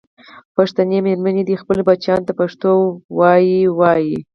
پښتنې مېرمنې دې خپلو بچیانو ته پښتو ویې ویي.